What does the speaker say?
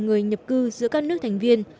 người nhập cư giữa các nước thành viên